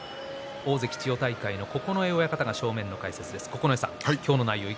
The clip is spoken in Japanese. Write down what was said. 大関千代大海、九重親方が正面の解説です。